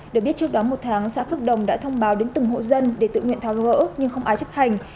được biết trước đó một tháng xã phước đồng đã thông báo đến từng hộ dân để tự nguyện tháo gỡ nhưng không ai chấp hành